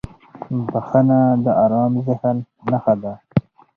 • بخښنه د آرام ذهن نښه ده.